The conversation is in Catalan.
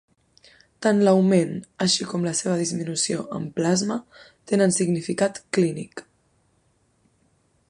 Tant l'augment, així com la seva disminució en plasma tenen significat clínic.